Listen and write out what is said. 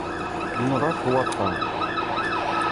Yenɣa-t waṭṭan.